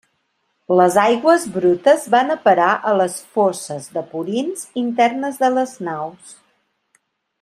Les aigües brutes van a parar a les fosses de purins internes de les naus.